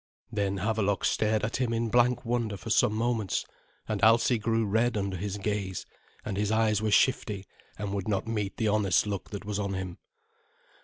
Then Havelok stared at him in blank wonder for some moments; and Alsi grew red under his gaze, and his eyes were shifty, and would not meet the honest look that was on him.